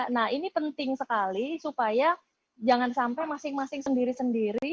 nah ini penting sekali supaya jangan sampai masing masing sendiri sendiri